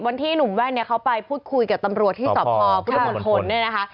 วันที่หนุ่มแว่นเนี่ยเขาไปพูดคุยกับตำรวจที่สพพุทธมณฑลเนี่ยนะคะ